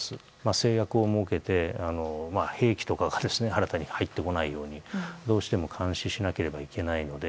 制約を設けて、兵器とかが新たに入ってこないようにどうしても監視しなければいけないので。